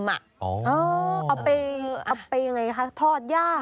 อ๋อเอาไปไงคะทอดย่าง